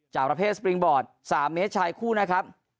จากประเภทสปริงบอร์ด๓เมตรชายคู่นะครับ